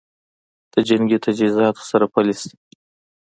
د جنګي تجهیزاتو سره پلي شي